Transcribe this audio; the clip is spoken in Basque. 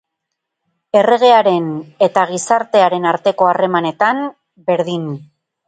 Erregearen eta gizartearen arteko harremanetan, berdin.